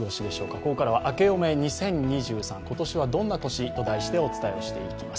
ここからはあけおめ２０２３、今年はどんな年と題してお伝えします。